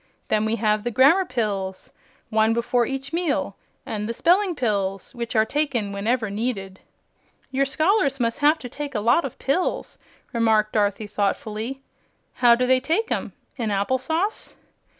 Then we have the Grammar Pills one before each meal and the Spelling Pills, which are taken whenever needed." "Your scholars must have to take a lot of pills," remarked Dorothy, thoughtfully. "How do they take 'em, in applesauce?"